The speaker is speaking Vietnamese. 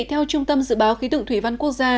theo trung tâm dự báo khí tượng thủy văn quốc gia